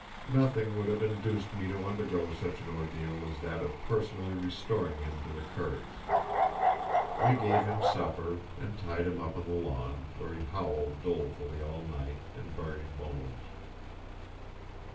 Nothing would have induced me to undergo such an ordeal as that of personally restoring him to the Curries. We gave him supper, and tied him up on the lawn, where he howled dolefully all night and buried bones.